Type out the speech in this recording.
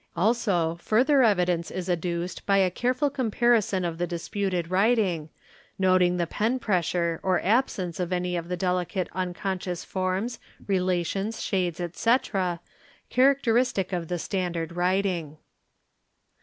Also, further evidence is adduced by a careful comparison of the disputed writing, noting the pen pressure or absence of any of the delicate —.; a : a unconscious forms, relations, shades, etc., characteristic of the standard writing.